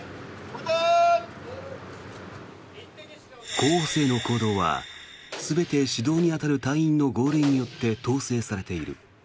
候補生の行動は全て指導に当たる隊員の号令によって統制されている。